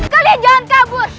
kalian jangan kabur